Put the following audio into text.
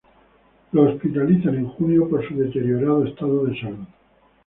En junio es hospitalizado por su deteriorado estado de salud.